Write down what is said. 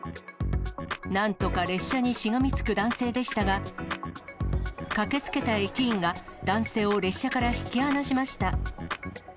なんとか列車にしがみつく男性でしたが、駆けつけた駅員が、男性を列車から引き離しました。